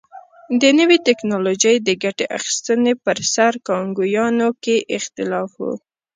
له نوې ټکنالوژۍ د ګټې اخیستنې پر سر کانګویانو کې اختلاف و.